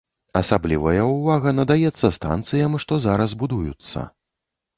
Асаблівая увага надаецца станцыям, што зараз будуюцца.